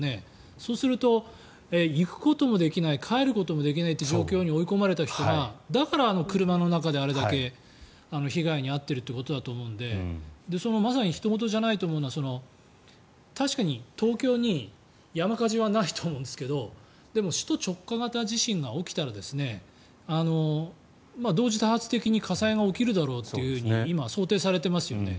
そうすると、行くこともできない帰ることもできないという状況に追い込まれた人がだから、車の中であれだけ被害に遭っているということだと思うのでまさにひと事じゃないと思うのは確かに東京に山火事はないと思うんですがでも、首都直下型地震が起きたら同時多発的に火災が起きるだろうって今、想定されてますよね。